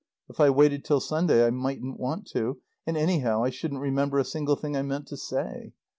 If I waited till Sunday I mightn't want to, and anyhow I shouldn't remember a single thing I meant to say.